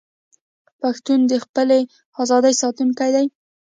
پښتون د خپلې ازادۍ ساتونکی دی.